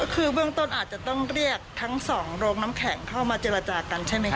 คือเบื้องต้นอาจจะต้องเรียกทั้งสองโรงน้ำแข็งเข้ามาเจรจากันใช่ไหมค